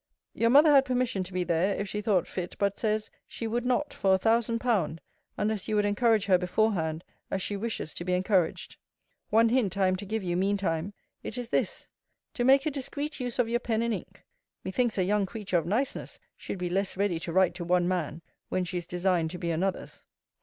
Your mother had permission to be there, if she thought fit: but says, she would not for a thousand pound, unless you would encourage her beforehand as she wishes to be encouraged. One hint I am to give you mean time. It is this: To make a discreet use of your pen and ink. Methinks a young creature of niceness should be less ready to write to one man, when she is designed to be another's.